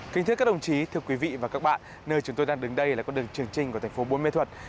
kính thưa các đồng chí thưa quý vị và các bạn nơi chúng tôi đang đứng đây là con đường trường trình của thành phố bôn ma thuột